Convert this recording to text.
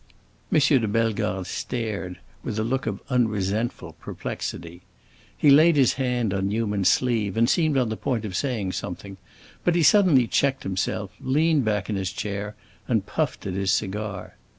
M. de Bellegarde stared, with a look of unresentful perplexity. He laid his hand on Newman's sleeve and seemed on the point of saying something, but he suddenly checked himself, leaned back in his chair, and puffed at his cigar.